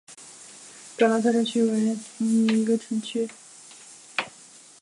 格兰特镇区为美国堪萨斯州杰克逊县辖下的镇区。